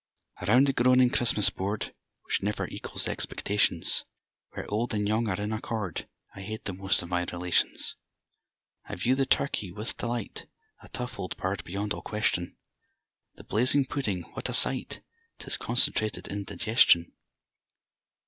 _) Around the groaning Christmas board, (Which never equals expectations,) Where old and young are in accord (I hate the most of my relations!) I view the turkey with delight, (A tough old bird beyond all question!) The blazing pudding what a sight! (_'Tis concentrated indigestion!